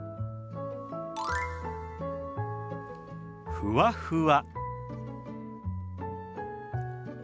「ふわふわ」。